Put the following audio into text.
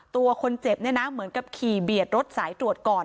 ตัวคนเจ็บเนี่ยนะเหมือนกับขี่เบียดรถสายตรวจก่อน